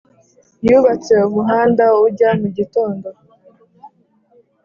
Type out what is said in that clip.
yubatse umuhanda ujya mugitondo,